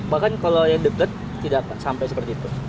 bahkan kalau yang deket tidak sampai seperti itu